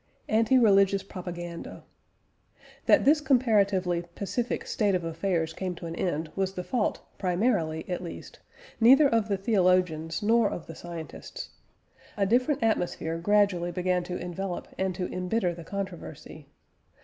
ANTI RELIGIOUS PROPAGANDA. That this comparatively pacific state of affairs came to an end was the fault, primarily, at least, neither of the theologians nor of the scientists. A different atmosphere gradually began to envelop and to embitter the controversy.